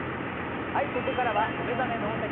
ここからは「お目覚め脳シャキ！